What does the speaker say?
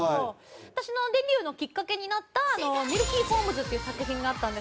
私のデビューのきっかけになった『ミルキィホームズ』っていう作品があったんですけど。